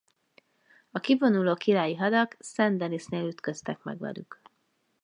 A kivonuló királyi hadak Saint-Denis-nél ütköztek meg velük.